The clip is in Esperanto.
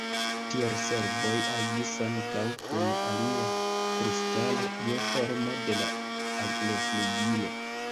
Tiel serboj agis ankaŭ kun alia kristalo, je formo de la agloflugilo.